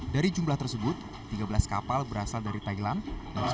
dari jumlah tersebut tiga belas kapal berasal dari thailand